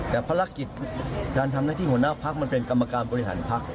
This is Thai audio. แต่ภารกิจการทำนักที่หัวหน้าภักรณ์เป็นกลางการบริหารภักร์